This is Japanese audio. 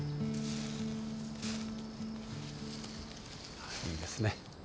あいいですね。